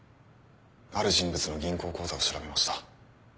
ある人物の銀行口座を調べました。